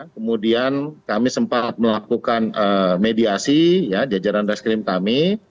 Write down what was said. kemudian kami sempat melakukan mediasi ya jajaran reskrim kami